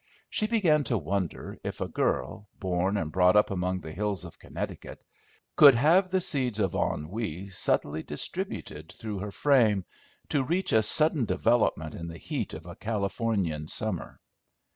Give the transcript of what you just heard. She began to wonder if a girl, born and brought up among the hills of Connecticut, could have the seeds of ennui subtly distributed through her frame, to reach a sudden development in the heat of a Californian summer.